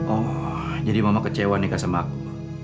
oh jadi mama kecewa nih kak semaku